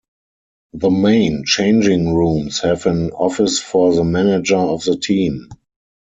The main changing rooms have an office for the manager of the team.